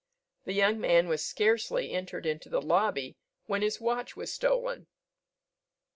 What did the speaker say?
The young man was scarcely entered into the lobby, when his watch was stolen.